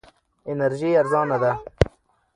انرژي ارزانه ده.